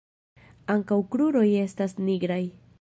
Ankaŭ kruroj estas nigraj.